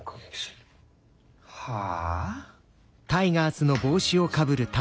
はあ？